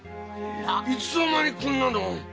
いつの間にこんなもの？